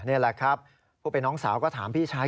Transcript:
นี่แหละครับผู้เป็นน้องสาวก็ถามพี่ชาย